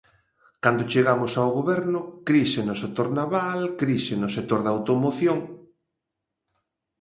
Cando chegamos ao Goberno, crise no sector naval, crise no sector da automoción.